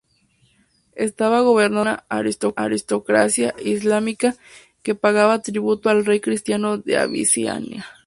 Estaba gobernado por una aristocracia islámica que pagaba tributo al rey cristiano de Abisinia.